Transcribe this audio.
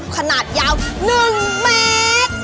ขนาดยาว๑แม็กซ์